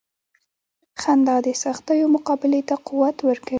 • خندا د سختیو مقابلې ته قوت ورکوي.